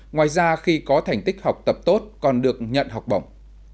ngoài ra khi có thành tích học tập tốt còn được nhận học bổng